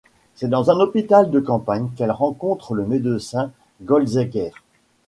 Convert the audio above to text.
C'est dans un hôpital de campagne qu'elle rencontre le médecin Goldzeiguer.